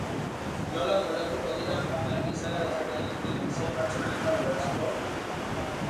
Nola moldatuko dira hain izaera desberdina duten sei pertsona elkar ulertzeko?